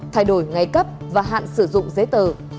thay đổi ngày cấp và hạn sử dụng giấy tờ